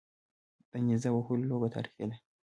د نیزه وهلو لوبه تاریخي ده